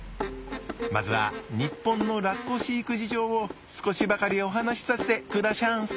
まずは日本のラッコ飼育事情を少しばかりお話しさせてくだしゃんせ。